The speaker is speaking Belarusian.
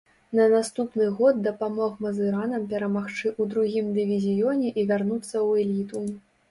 На наступны год дапамог мазыранам перамагчы ў другім дывізіёне і вярнуцца ў эліту.